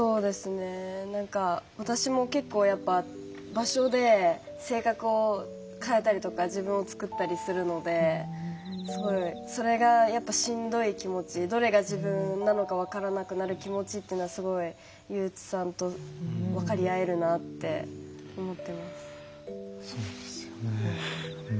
私も結構場所で、性格を変えたりとか自分を作ったりするのですごい、それがしんどい気持ちどれが自分なのか分からなくなる気持ちっていうのはすごい憂鬱さんと分かり合えるなって思ってます。